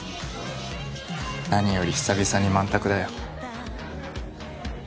何より久々に満卓だよ。